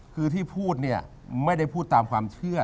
คือที่พูดเนี่ยไม่ได้พูดตามความเชื่อ